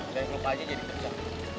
dan lupa aja jadi pucat